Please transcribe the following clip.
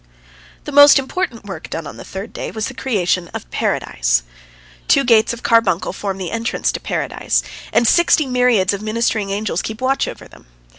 " The most important work done on the third day was the creation of Paradise. Two gates of carbuncle form the entrance to Paradise, and sixty myriads of ministering angels keep watch over them.